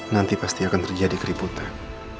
nanti pasti akan terjadi keributan